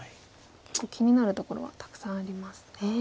気になるところはたくさんありますね。